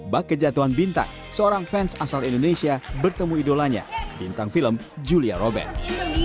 bak kejatuhan bintang seorang fans asal indonesia bertemu idolanya bintang film julia robert